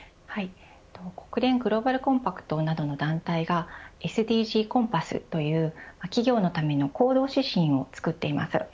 国連グローバル・コンパクトなどの団体がＳＤＧコンパスという企業のための行動指針をつくっています。